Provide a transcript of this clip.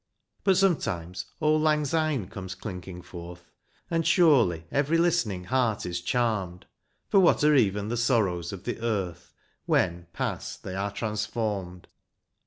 But sometimes " Auld Lang Syne " comes clinking forth, And surely every listening heart is charmed ; For what are even the sorrows of the earth When, past, they are transfonned